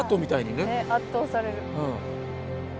ねえ圧倒される。